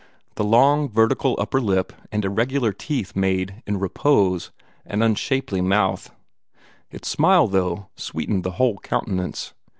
The long vertical upper lip and irregular teeth made, in repose, an unshapely mouth; its smile, though, sweetened the whole countenance.